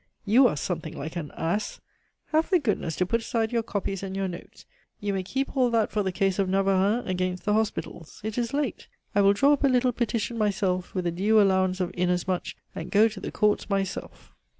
You are something like an ass! Have the goodness to put aside your copies and your notes; you may keep all that for the case of Navarreins against the Hospitals. It is late. I will draw up a little petition myself, with a due allowance of 'inasmuch,' and go to the Courts myself."